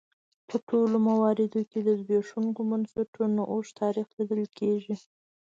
په ټولو مواردو کې د زبېښونکو بنسټونو اوږد تاریخ لیدل کېږي.